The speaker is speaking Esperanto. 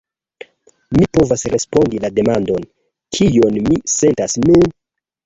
Mi povas respondi la demandon: kion mi sentas nun?